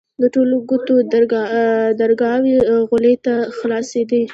د ټولو کوټو درگاوې غولي ته خلاصېدې.